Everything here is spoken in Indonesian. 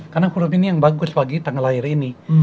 karena huruf ini yang bagus bagi tanggal lahir ini